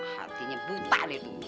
hatinya buta deh bu